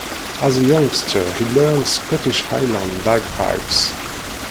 As a youngster he learned Scottish highland bagpipes.